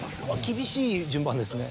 厳しい順番ですね。